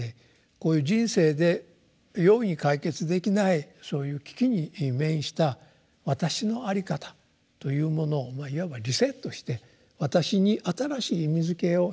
こういう人生で容易に解決できないそういう危機に面した私のあり方というものをいわばリセットして私に新しい意味づけをしてくれると。